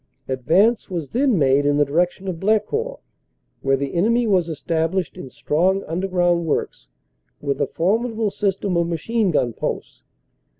Ad vance was then made in the direction of Blecourt, where the enemy was established in strong underground works with a formidable system of machine gun posts.